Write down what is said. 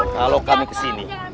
kalau kami kesini